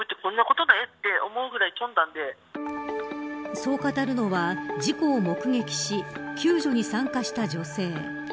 そう語るのは、事故を目撃し救助に参加した女性。